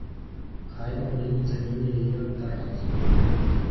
Хаймэ вельмі цаніў яе як дарадцу.